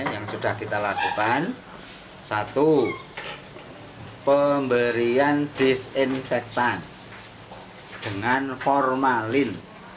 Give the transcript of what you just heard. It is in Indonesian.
yang sudah kita lakukan satu pemberian disinfektan dengan formalin